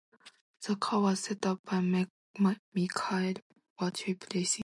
The car was set up by Michael Waltrip Racing.